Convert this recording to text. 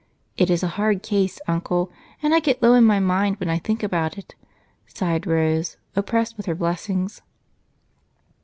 It is a hard case, Uncle, and I get low in my mind when I think about it," sighed Rose, oppressed with her blessings.